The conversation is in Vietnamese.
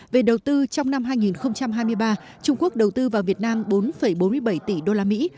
về đầu tư trong năm hai nghìn hai mươi ba trung quốc đầu tư vào việt nam bốn bốn mươi bảy tỷ đô la mỹ